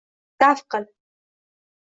— Daf qil!